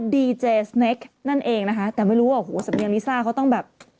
ดีเจสเนคนั่นเองนะคะแต่ไม่รู้ว่าโอ้โหสำเนียงลิซ่าเขาต้องแบบ